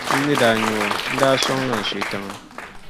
N ni daa nya o, n-daa sɔŋla n suhi tiŋa.